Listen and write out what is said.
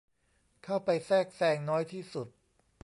เข้าไปแทรกแซงน้อยที่สุด